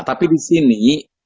tapi di sini